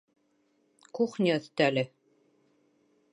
Кухня өҫтәле